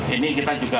ini kita jadikan